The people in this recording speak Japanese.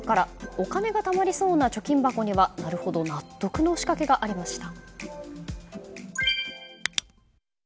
お金がたまりそうな貯金箱にはなるほど納得の仕掛けがありました。